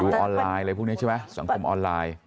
ออนไลน์อะไรพวกนี้ใช่ไหมสังคมออนไลน์